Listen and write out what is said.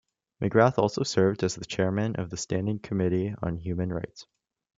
McGrath also served as chairman of the Standing Committee on Human Rights.